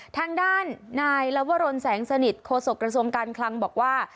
ทางด้านนายลวรนแสงสนิทโฆษกระทรวงการคลังบอกว่า